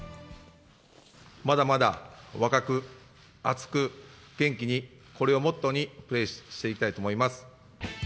まだまだ若く、熱く、元気に、これをモットーに、プレーしていきたいと思います。